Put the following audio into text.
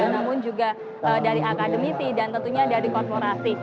namun juga dari akademisi dan tentunya dari korporasi